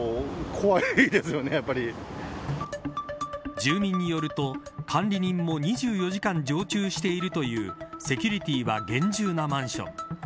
住民によると管理人も２４時間常駐しているというセキュリティーは厳重なマンション。